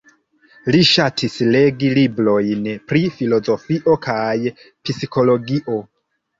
Li ŝatis legi librojn pri filozofio kaj psikologio.